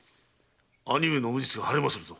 義兄上の無実が晴れまするぞ。